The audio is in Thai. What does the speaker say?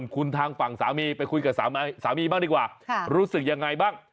กับสามีบ้างดีกว่ารู้สึกยังไงบ้าง